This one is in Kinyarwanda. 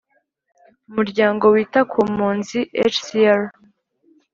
umuryango wita kumpunzi hcr